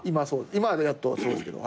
今やっとそうですけど。